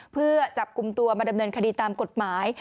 เพื่อจับกลุ่มตัวมาดำเนินคดีตามกฎหมาย